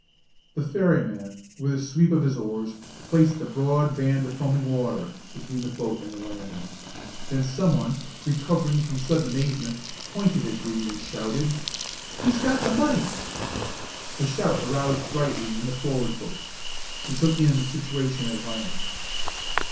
The ferryman, with a sweep of his oars, placed a broad band of foaming water between the boat and the landing. Then some one, recovering from sudden amazement, pointed at Brede and shouted, "He's got the money!" The shout aroused Brightly in the forward boat. He took in the situation at a glance.